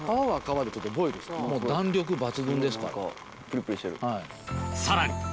プリプリしてる。